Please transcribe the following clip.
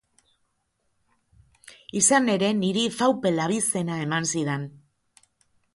Izan ere, niri Faupel abizena eman zidan.